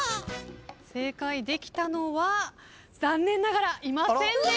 正解できたのは残念ながらいませんでした。